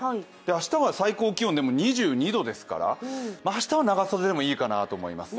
明日は最高気温、２２度ですから明日は長袖でもいいかなと思います。